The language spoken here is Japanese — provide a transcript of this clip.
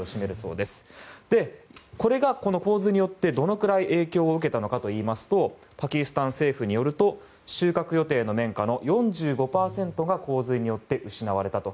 これが洪水によってどれくらい影響を受けたのかといいますとパキスタン政府によると収穫の綿花の４５％が洪水によって失われたと。